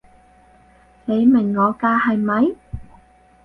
你明我㗎係咪？